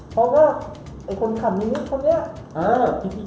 เขาก็คนขับนิดคนนี้